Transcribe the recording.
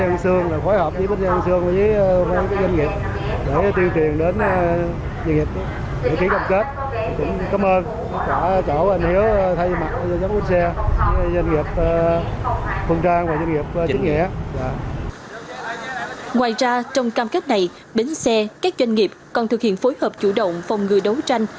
ngoài ra trong cam kết này bến xe các doanh nghiệp còn thực hiện phối hợp chủ động phòng ngư đấu tranh